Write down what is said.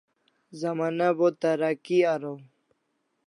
Zamana bo tharaki araw